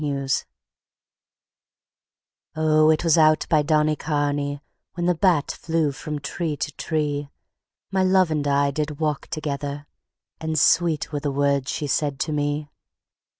XXXI O, it was out by Donnycarney When the bat flew from tree to tree My love and I did walk together; And sweet were the words she said to me.